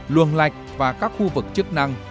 luồng lạch và các khu vực chức năng